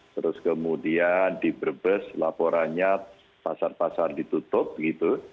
terus kemudian diberbes laporannya pasar pasar ditutup gitu